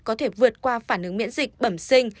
có thể vượt qua phản ứng miễn dịch bẩm sinh